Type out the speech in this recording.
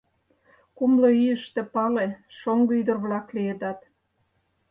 — Кумло ийыште пале — шоҥго ӱдыр-влак лиедат.